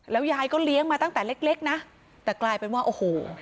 ยายก็เลี้ยงมาตั้งแต่เล็กเล็กนะแต่กลายเป็นว่าโอ้โห